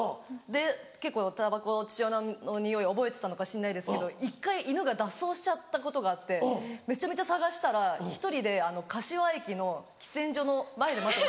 で結構たばこ父親のにおい覚えてたのかしんないですけど１回犬が脱走しちゃったことがあってめちゃめちゃ捜したら１人で柏駅の喫煙所の前で待ってました。